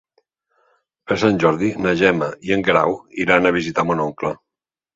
Per Sant Jordi na Gemma i en Guerau iran a visitar mon oncle.